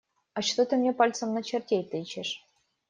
А что ты мне пальцем на чертей тычешь?